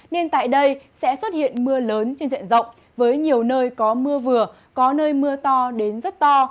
nên tại đây sẽ xuất hiện mưa lớn trên diện rộng với nhiều nơi có mưa vừa có nơi mưa to đến rất to